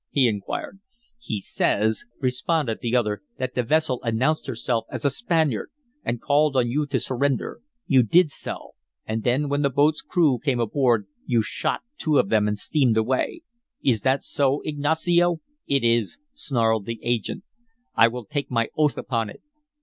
he inquired. "He says," responded the other, "that the vessel announced herself as a Spaniard, and called on you to surrender. You did so; and then when the boat's crew came aboard you shot two of them and steamed away. Is that so, Ignacio?" "It is," snarled the "agent." "I will take my oath upon it."